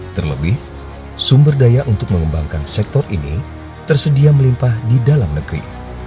terlebih sumber daya untuk mengembangkan sektor ini tersedia melimpah di dalam negeri